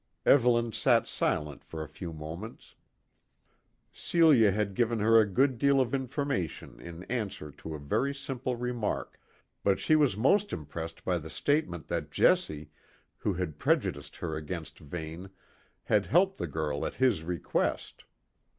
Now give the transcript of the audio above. Evelyn sat silent for a few moments. Celia had given her a good deal of information in answer to a very simple remark; but she was most impressed by the statement that Jessie, who had prejudiced her against Vane, had helped the girl at his request.